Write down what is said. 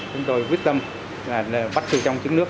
chúng tôi quyết tâm bắt thử trong chứng nước